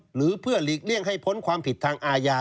หรือเพื่อหลีกเลี่ยงให้พ้นความผิดทางอาญา